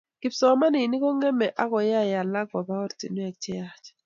kipsomaninik kongemei akoyaei alak kopa oratinwek cheyach